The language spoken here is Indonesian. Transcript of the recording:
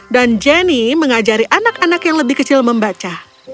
dan jenny mengajari anak anak yang lebih kecil membaca